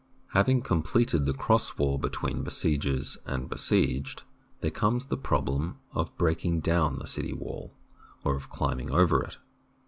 Hav ing completed the cross wall between besiegers and besieged, there comes the problem of breaking down the city wall, or of climbing over it.